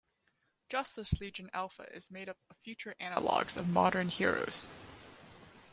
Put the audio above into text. Justice Legion Alpha is made up of future analogues of modern heroes.